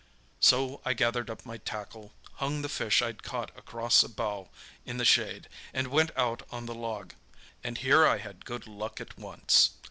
"So I gathered up my tackle, hung the fish I'd caught across a bough in the shade, and went out on the log, and here I had good luck at once.